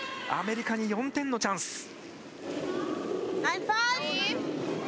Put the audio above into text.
アメリカに４点のチャンス。